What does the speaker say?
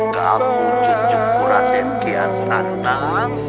kamu cucuk kura tentian santang